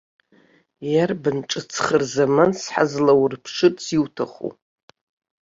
Иарбан ҿыц хырзаманс ҳазлаурԥшырц иуҭаху?